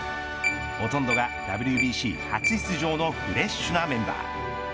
ほとんどがＷＢＣ初出場のフレッシュなメンバー。